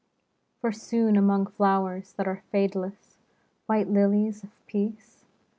For soon among flowers that are fadeless. White lilies of peace.